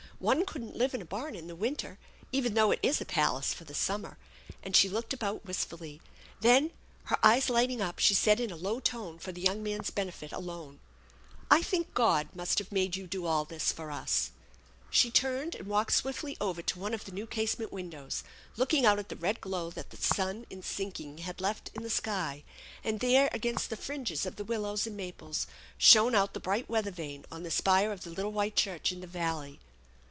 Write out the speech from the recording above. One couldn't live in a barn in the winter, even though it is a palace for the summer"; and she looked about wistfully. Then, her eyes lighting up, she said in a low tone, for the young man's benefit alone: " I think God must have made you do all this for us !* She turned and walked swiftly over to one of the new casement windows, looking out at the red glow that the sun in sinking had left in the sky ; and there against the fringes of the willowa and maples shone out the bright weather vane on the spire of the little white church in the valley.